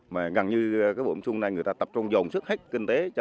mà gần như cái vụ xuống này người ta tập trung dồn sức hết kinh tế cho